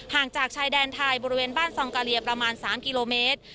จากชายแดนไทยบริเวณบ้านซองกาเลียประมาณ๓กิโลเมตร